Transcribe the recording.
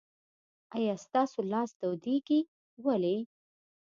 آیا ستاسو لاس تودیږي؟ ولې؟